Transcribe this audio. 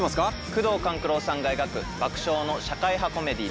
宮藤官九郎さんが描く爆笑の社会派コメディーです。